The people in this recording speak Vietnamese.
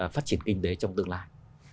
phát triển kinh tế trong tương lai